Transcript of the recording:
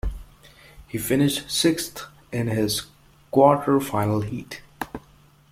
He finished sixth in his quarter-final heat.